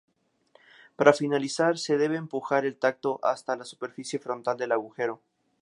Para finalizar, se debe empujar el taco hasta la superficie frontal del agujero.